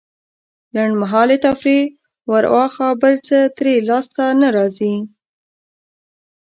لنډمهالې تفريح وراخوا بل څه ترې لاسته نه راځي.